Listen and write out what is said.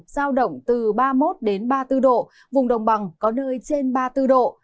giao động từ ba mươi một ba mươi bốn độ vùng đồng bằng có nơi trên ba mươi bốn độ